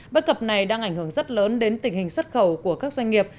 bất cập này đang ảnh hưởng rất lớn đến tình hình xuất khẩu của các doanh nghiệp